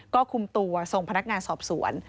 ก็คุมตัวส่งพนักงานสอบสวน